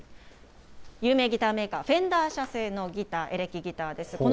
有名ギターメーカー、フェンダー社製のギター、エレキギターです。